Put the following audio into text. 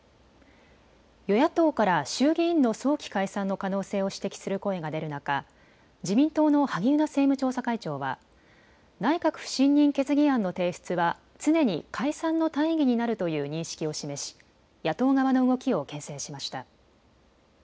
与野党から衆議院の早期解散の可能性を指摘する声が出る中、自民党の萩生田政務調査会長は内閣不信任決議案の提出は常に解散の大義になるという認識を示し、野党側の動きをけん制しました。